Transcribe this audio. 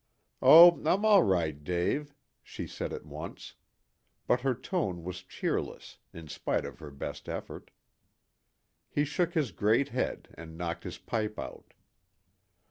"Oh, I'm all right, Dave," she said at once. But her tone was cheerless, in spite of her best effort. He shook his great head and knocked his pipe out.